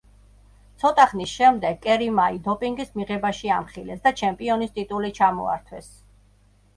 ცოტა ხნის შემდეგ კერიმაი დოპინგის მიღებაში ამხილეს და ჩემპიონის ტიტული ჩამოართვეს.